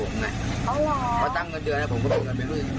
เพราะตั้งเงินเดือนให้ผม